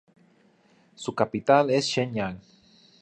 Su capital es Shenyang.